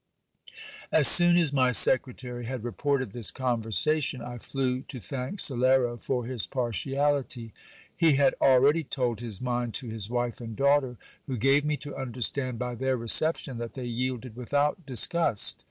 . As soon as my secretary had reported this conversation, I flew to thank Salero for his partiality. He had already told his mind to his wife and daughter, who gave me to understand by their reception, that they yielded without disgust.